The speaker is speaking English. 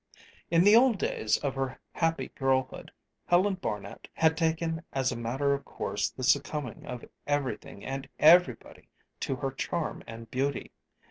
In the old days of her happy girlhood, Helen Barnet had taken as a matter of course the succumbing of everything and everybody to her charm and beauty.